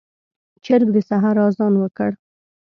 چرګ د سحر اذان وکړ.